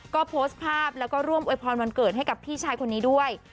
ก็โพสต์ภาพแล้วก็ร่วมอวยพรวันเกิดให้กับพี่ชายคนนี้ด้วย